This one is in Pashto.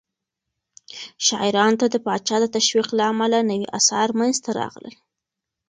شاعرانو ته د پاچا د تشويق له امله نوي آثار منځته راغلل.